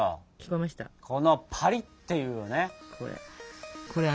このパリッていうね音よ。